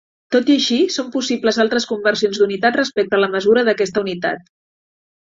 Tot i així, són possibles altres conversions d'unitat respecte a la mesura d'aquesta unitat.